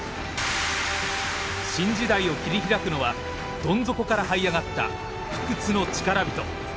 新時代を切り開くのはどん底からはい上がった不屈の力人。